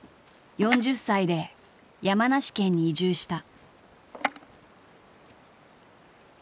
４０歳で山梨県に移住した。